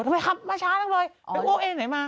ทำไมมาช้านักเลยโอเคไหนมา